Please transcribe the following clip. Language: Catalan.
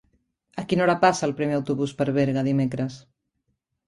A quina hora passa el primer autobús per Berga dimecres?